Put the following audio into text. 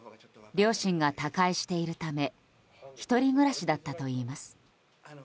両親が他界しているため１人暮らしだったといいます。